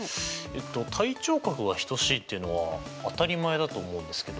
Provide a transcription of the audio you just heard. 対頂角が等しいっていうのは当たり前だと思うんですけど。